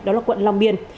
đó là quận long biên